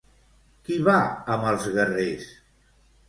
Qui va amb els guerrers?